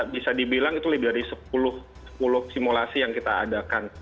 bisa dibilang itu lebih dari sepuluh simulasi yang kita adakan